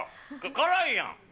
辛いやん。